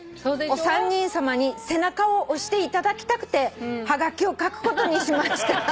「お三人さまに背中を押していただきたくてはがきを書くことにしました」